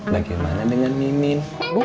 bagaimana dengan mimin